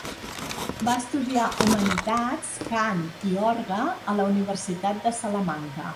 Va estudiar humanitats, cant i orgue a la Universitat de Salamanca.